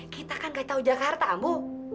kita kan gak tahu jakarta amu